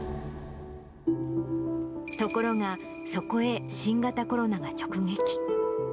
ところが、そこへ新型コロナが直撃。